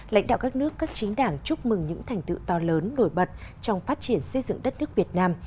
lãnh đạo các nước các chính đảng chúc mừng những thành tựu to lớn nổi bật trong phát triển xây dựng đất nước việt nam